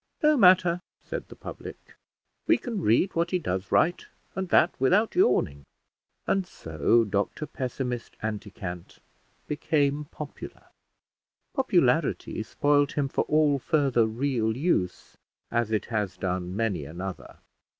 No matter, said the public; we can read what he does write, and that without yawning. And so Dr Pessimist Anticant became popular. Popularity spoilt him for all further real use, as it has done many another.